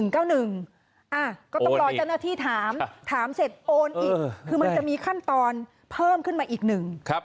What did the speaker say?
ก็ต้องรอเจ้าหน้าที่ถามถามเสร็จโอนอีกคือมันจะมีขั้นตอนเพิ่มขึ้นมาอีกหนึ่ง